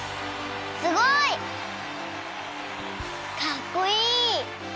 すごい！かっこいい！